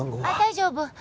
あっ大丈夫。